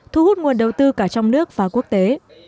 thu hút nguồn đầu tư cả trong nước và quốc tế